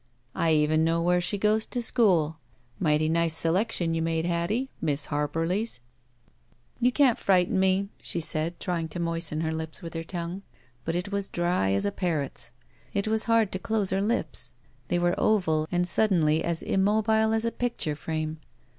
I even know where she goes to schocd. Mighty nice selection you made, Hattie, Miss Harperly's." "You can't frighten me," she said, trying to mois ten her lips with her tongue. But it was dry as a parrot's. It was hard to dose her lips. They were oval and suddenly immobile as a picture frame.